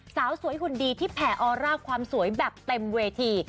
สาวสวยหุ่นดีที่แผ่ออร่าความสวยแบบเต็มเวที